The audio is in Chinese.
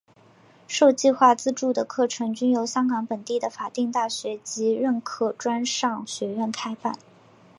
受计划资助的课程均由香港本地的法定大学及认可专上学院开办。